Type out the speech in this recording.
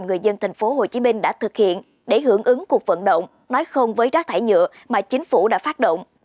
người dân tp hcm đã thực hiện để hưởng ứng cuộc vận động nói không với rác thải nhựa mà chính phủ đã phát động